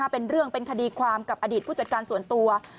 เป็นเรื่องเป็นคดีความกับอดีตผู้จัดการส่วนตัว